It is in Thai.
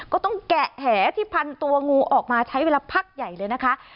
แกะแหที่พันตัวงูออกมาใช้เวลาพักใหญ่เลยนะคะ